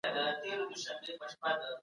زه به دا امانت خپل خاوند ته ورسپارم.